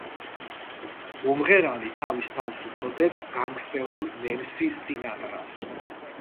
მომღერალი თავის თავს უწოდებს „განგსტერულ ნენსი სინატრას“.